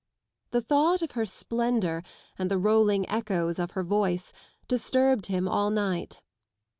100 Tfee thought of her splendour and the rolling echoes of her voice disturbed him all night.